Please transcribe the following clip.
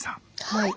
はい。